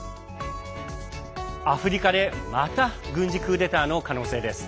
アフリカでまた軍事クーデターの可能性です。